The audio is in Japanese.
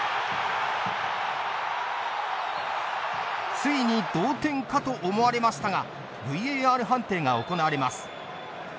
ついに同点かと思われましたがＶＡＲ判定が行われます。